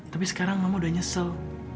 tapi sekarang mama udah nyesel